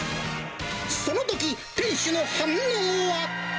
そのとき、店主の反応は。